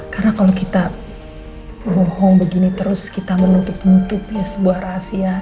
karena kalau kita bohong begini terus kita menutup menutupi sebuah rahasia